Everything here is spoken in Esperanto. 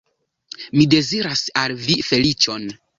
Mi deziras al vi feliĉon.